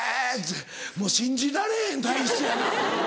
もう信じられへん体質やな。